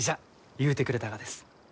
ゆうてくれたがです。